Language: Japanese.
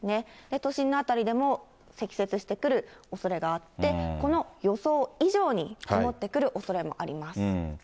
都心の辺りでも積雪してくるおそれがあって、この予想以上に積もってくるおそれもあります。